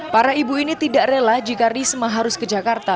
para ibu ini tidak rela jika risma harus ke jakarta